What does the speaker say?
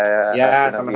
ya sama sama bli eka makasih